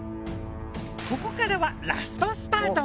ここからはラストスパート。